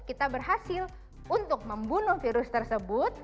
kita berhasil untuk membunuh virus tersebut